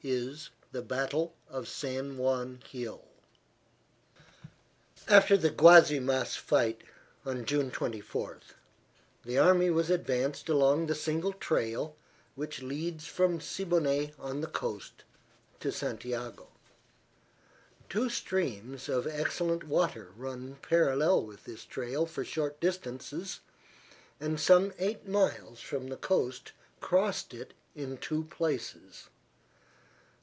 II THE BATTLE OF SAN JUAN HILL After the Guasimas fight on June 24, the army was advanced along the single trail which leads from Siboney on the coast to Santiago. Two streams of excellent water run parallel with this trail for short distances, and some eight miles from the coast crossed it in two places.